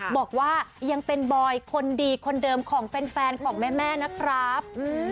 บอกว่ายังเป็นบอยคนดีคนเดิมของแฟนของแม่นะครับ